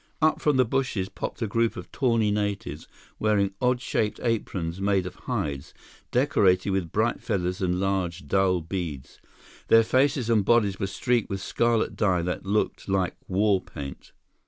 Up from the bushes popped a group of tawny natives, wearing odd shaped aprons made of hides decorated with bright feathers and large, dull beads. Their faces and bodies were streaked with scarlet dye that looked like war paint.